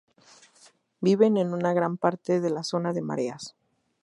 Viven en una gran parte de la zona de mareas.